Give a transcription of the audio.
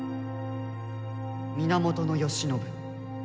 源慶喜。